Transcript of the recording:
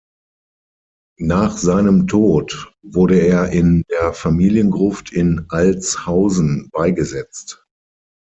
Nach seinem Tod wurde er in der Familiengruft in Altshausen beigesetzt.